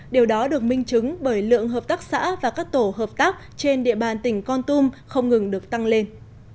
điều đó được minh chứng bởi lượng hợp tác xã và các tổ hợp tác trên địa bàn tỉnh con tum không ngừng được tăng lên